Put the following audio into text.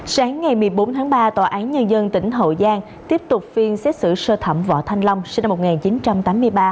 sáng ngày một mươi bốn tháng ba tòa án nhân dân tỉnh hậu giang tiếp tục phiên xét xử sơ thẩm võ thanh long sinh năm một nghìn chín trăm tám mươi ba